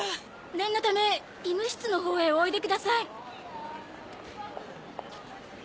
念のため医務室のほうへおいでください。